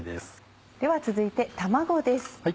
では続いて卵です。